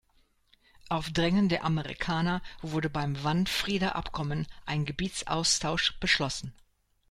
Auf Drängen der Amerikaner wurde beim Wanfrieder Abkommen ein Gebietsaustausch beschlossen.